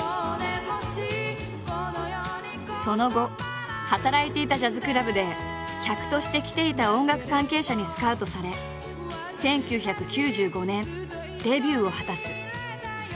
その後働いていたジャズクラブで客として来ていた音楽関係者にスカウトされ１９９５年デビューを果たす。